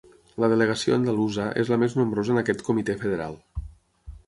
La delegació andalusa és la més nombrosa en aquest comitè federal.